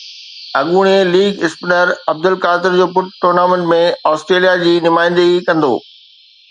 اڳوڻي leg spinner Abdul Qadir جو پٽ ٽورنامينٽ ۾ آسٽريليا جي نمائندگي ڪندو